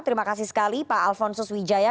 terima kasih sekali pak alfonsus wijaya